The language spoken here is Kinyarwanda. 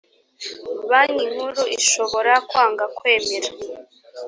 banki nkuru ishobora kwanga kwemera